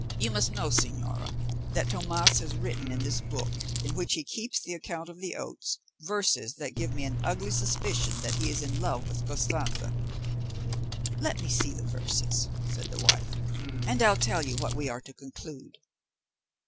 You must know, señora, that Tomas has written in this book, in which he keeps the account of the oats, verses that give me an ugly suspicion that he is in love with Costanza." "Let me see the verses," said the wife, "and I'll tell you what we are to conclude."